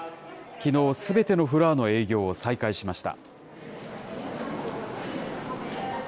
きのう、すべてのフロアの営業を再開しました。